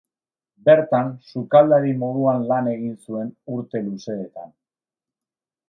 Bertan, sukaldari moduan lan egin zuen urte luzeetan.